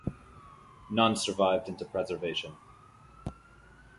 None survived into preservation.